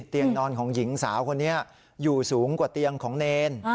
เตียงนอนของหญิงสาวคนนี้อยู่สูงกว่าเตียงของเนร